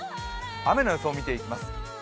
雨の予想を見ていきます。